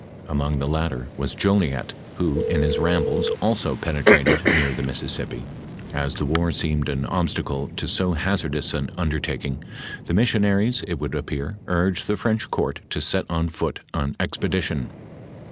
Among the latter was Jolliet, who in his rambles also penetrated near the Mississippi.f As the war seemed an obstacle to so hazardous an undertaking, the missionaries, ■ it would appear, urged the French court to set on foot an ex pedition.